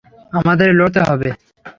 আমাদের লড়তে হবে!